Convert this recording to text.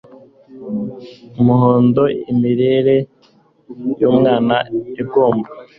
umuhondo imirire y'umwana igomba